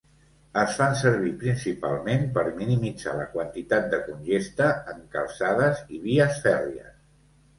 Es fan servir principalment per minimitzar la quantitat de congesta en calçades i vies fèrries.